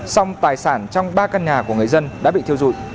song tài sản trong ba căn nhà của người dân đã bị thưa rụi